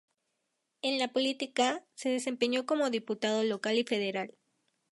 En la política, se desempeñó como diputado local y federal.